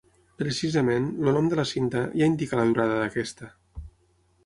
Precisament, el nom de la cinta, ja indica la durada d'aquesta.